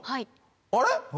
あれ？